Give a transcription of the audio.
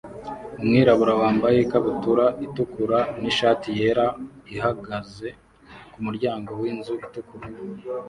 Umwirabura wambaye ikabutura itukura nishati yera ihagaze kumuryango winzu itukura